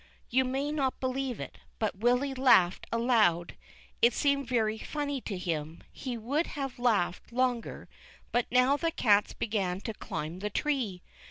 You may not believe it, but Willy laughed aloud. It seemed very funny to him. He would have laughed longer, but now the cats began to climb the tree.